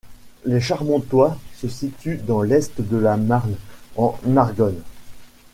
Les Charmontois se situe dans l'est de la Marne, en Argonne.